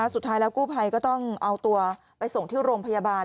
สุดท้ายแล้วกู้ภัยก็ต้องเอาตัวไปส่งที่โรงพยาบาล